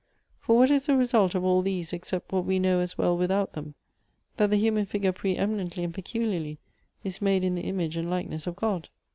For what is the result of all these, except what we know as well without them, that the human figure pre eminently and peculiarly is made in the image and likeness of God?"